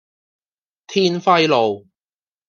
天暉路